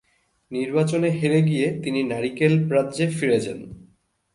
নির্বাচনে হেরে গিয়ে তিনি নারিকেল রাজ্যে ফিরে যান।